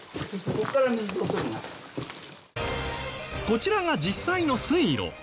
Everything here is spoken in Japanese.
こちらが実際の水路。